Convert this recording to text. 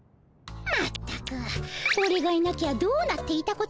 まったくオレがいなきゃどうなっていたことか。